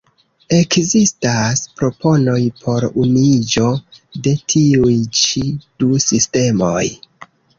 Ekzistas proponoj por unuiĝo de tiuj ĉi du sistemoj.